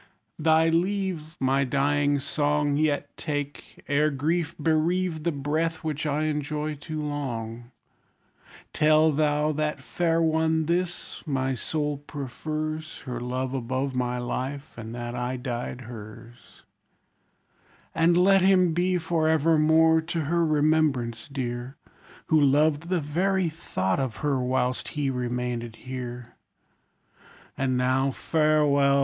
Thy leave, My dying song, Yet take, ere grief bereave The breath which I enjoy too long, Tell thou that fair one this: my soul prefers Her love above my life; and that I died her's: And let him be, for evermore, to her remembrance dear, Who loved the very thought of her whilst he remained here. And now farewell!